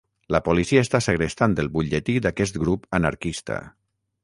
La policia està segrestant el butlletí d'aquest grup anarquista.